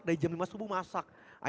dari jam lima subuh masak